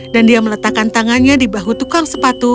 dan dia meletakkan tangannya di bahu tukang sepatu